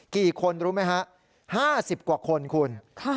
กี่คนรู้ไหมฮะ๕๐กว่าคนคุณ